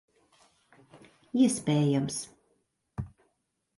Iespējams.